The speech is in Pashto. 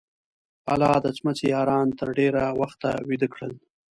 الله د څمڅې یاران تر ډېره وخته ویده کړل.